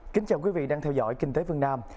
kính chào quý vị đang theo dõi kinh tế phương nam